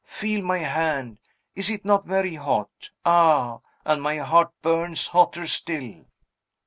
Feel my hand! Is it not very hot? Ah; and my heart burns hotter still!"